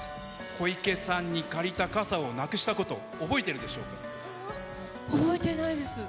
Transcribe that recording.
小池さんに借りた傘をなくしたこ覚えてないです。